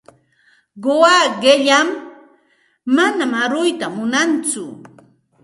Quwaa qilam, manam aruyta munantsu.